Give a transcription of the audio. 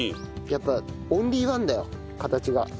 やっぱオンリーワンだよ形が。